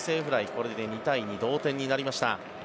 これで２対２同点になりました。